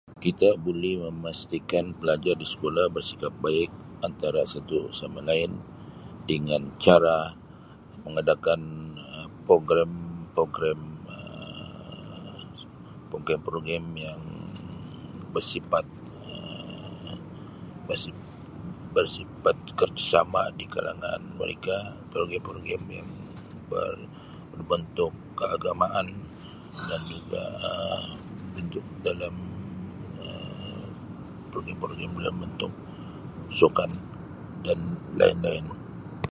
Kita buli memastikan pelajar di skulah bersikap baik antara satu sama lain dengan cara mengadakan Um program-program Um program-program yang bersifat Um bersif- bersifat kerjasama di kalangan mereka program-program yang ber-berbentuk keagamaan dan juga Um bentuk dalam Um program-program dalam bentuk sukan dan lain-lain.